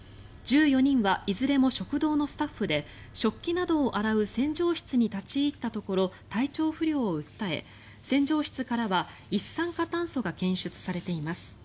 １４人はいずれも食堂のスタッフで食器などを洗う洗浄室に立ち入ったところ体調不良を訴え洗浄室からは一酸化炭素が検出されています。